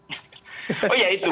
oh ya itu